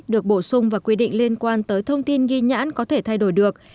được bổ sung và quy định liên quan tới thông tin ghi nhãn có thể thay đổi được